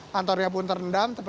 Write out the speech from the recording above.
kantornya pun terendam